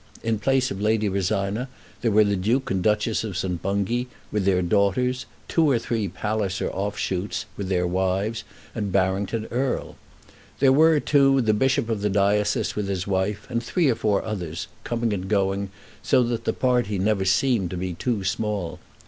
In place of Lady Rosina there were the Duke and Duchess of St. Bungay, with their daughters, two or three Palliser offshoots, with their wives, and Barrington Erle. There were, too, the Bishop of the diocese with his wife, and three or four others, coming and going, so that the party never seemed to be too small.